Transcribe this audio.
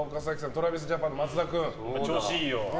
ＴｒａｖｉｓＪａｐａｎ松田君。